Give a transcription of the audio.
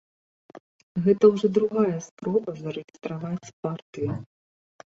Гэта ўжо другая спроба зарэгістраваць партыю.